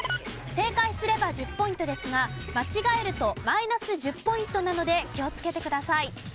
正解すれば１０ポイントですが間違えるとマイナス１０ポイントなので気をつけてください。